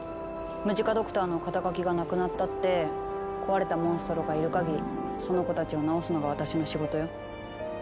ムジカ・ドクターの肩書がなくなったって壊れたモンストロがいるかぎりその子たちをなおすのが私の仕事よ。